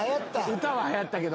歌ははやったけど。